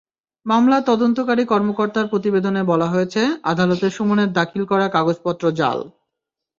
মামলার তদন্তকারী কর্মকর্তার প্রতিবেদনে বলা হয়েছে, আদালতে সুমনের দাখিল করা কাগজপত্র জাল।